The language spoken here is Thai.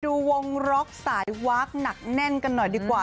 ดูวงล็อกสายวาคหนักแน่นกันหน่อยดีกว่า